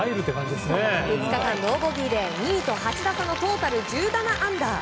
２日間ノーボギーで２位と８打差のトータル１７アンダー。